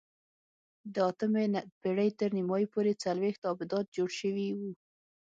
د اتمې پېړۍ تر نیمايي پورې څلوېښت ابدات جوړ شوي وو.